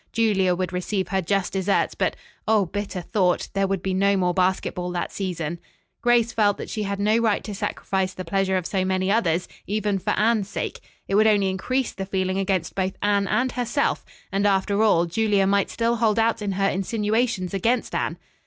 Julia would receive her just deserts but, oh, bitter thought, there would be no more basketball that season. Grace felt that she had no right to sacrifice the pleasure of so many others, even for Anne's sake. It would only increase the feeling against both Anne and herself, and after all, Julia might still hold out in her insinuations against Anne.